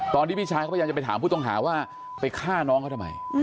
ตอนที่พี่ชายก็ยังจะไปถามผู้ต้องหาว่าไปฆ่าน้องเขาทำไม